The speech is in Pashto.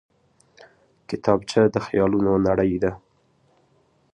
کتابچه د خیالونو نړۍ ده